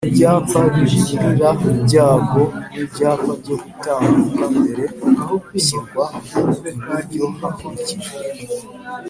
Ibyapa biburira ibyago n ibyapa byo gutambuka mbere bishyirwa iburyo hakurikijwe